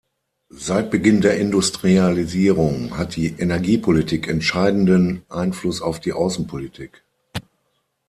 Seit Beginn der Industrialisierung hat die Energiepolitik entscheidenden Einfluss auf die Außenpolitik.